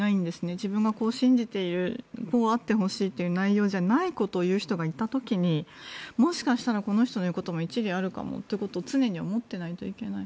自分がこう信じているこうあってほしいという内容じゃないことを言う人がいた時にもしかしたらこの人の言うことも一理あるかもということを常に思っていないといけない。